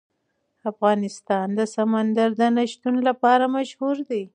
افغانستان د سمندر نه شتون لپاره مشهور دی.